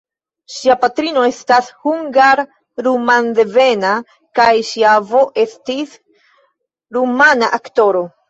Ŝia patrino estas hungar-rumandevena kaj ŝia avo estis rumana aktoro.